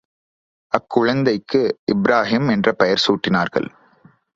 அக்குழந்தைக்கு இப்ராஹிம் என்ற பெயர் சூட்டினார்கள்.